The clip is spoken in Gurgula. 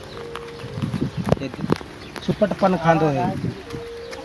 سوپٽ پن کآندو هي۔